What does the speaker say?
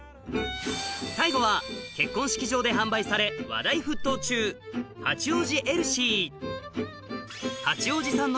最後は結婚式場で販売され話題沸騰中八王子エルシィ